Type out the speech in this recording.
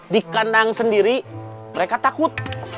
di kandang sendiri mereka takut